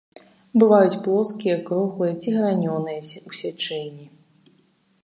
Бываюць плоскія, круглыя ці гранёныя ў сячэнні.